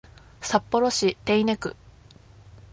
札幌市手稲区